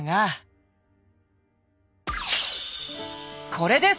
これです！